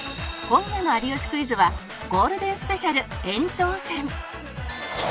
今夜の『有吉クイズ』はゴールデンスペシャル延長戦